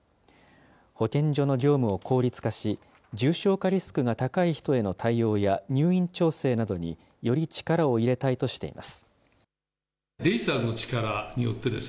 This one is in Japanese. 保健所の業務を効率化し、重症化リスクが高い人への対応や入院調整などにより力を入れたいとしています。